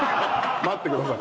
待ってください。